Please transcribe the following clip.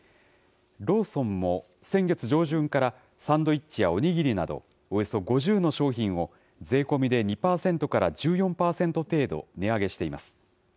ローソンも先月上旬から、サンドイッチやお握りなど、およそ５０の商品を税込みで２％から１４％程度値上げしています。